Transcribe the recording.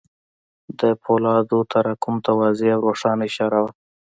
د پولادو تراکم ته واضح او روښانه اشاره وه.